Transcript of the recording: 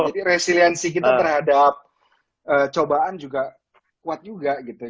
jadi resiliensi kita terhadap cobaan juga kuat juga gitu